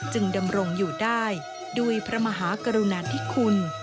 ดำรงอยู่ได้ด้วยพระมหากรุณาธิคุณ